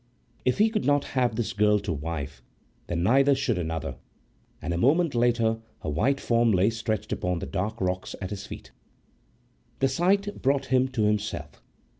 If he could not have this girl to wife, then neither should another, and a moment later her white form lay stretched upon the dark rocks at his feet. The sight brought him to himself.